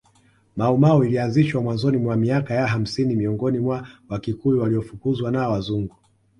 Mau Mau ilianzishwa mwanzoni mwa miaka ya hamsini miongoni mwa Wakikuyu waliofukuzwa na Wazungu